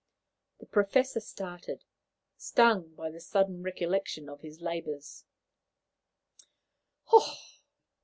The Professor started, stung by the sudden recollection of his labours.